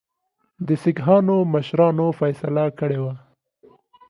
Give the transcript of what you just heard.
د سیکهانو مشرانو فیصله کړې ده.